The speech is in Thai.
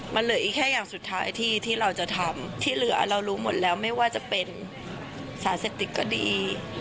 มันเหลืออีกแค่อย่างสุดท้ายที่เราจะทำที่เหลือเรารู้หมดแล้วไม่ว่าจะเป็นสารเสพติดก็ดี